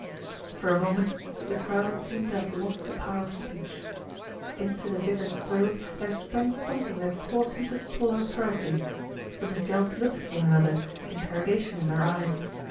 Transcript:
For a moment the crowd seemed to have lost the power of speech. Into the vicar's throat there sprang something that caused him to swallow hurriedly. The Miss Jells looked at one another, interrogation in their eyes.